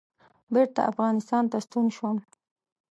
بېرته افغانستان ته ستون شوم.